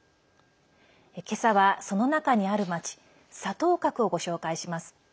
けさは、その中にある街沙頭角をご紹介します。